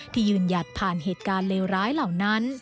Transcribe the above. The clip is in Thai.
ยืนหยัดผ่านเหตุการณ์เลวร้ายเหล่านั้น